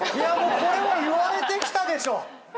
もうこれは言われてきたでしょ。